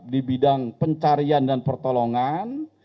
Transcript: di bidang pencarian dan pertolongan